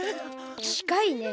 ちかいね。